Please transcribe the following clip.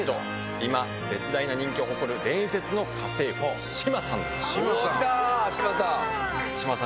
今、絶大な人気を誇る伝説の家政婦、志麻さん。